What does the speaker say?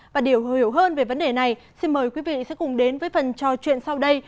và điều hiểu hơn về vấn đề này xin mời quý vị sẽ cùng đến với phần trò chuyện sau đây